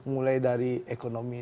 mulai dari ekonomi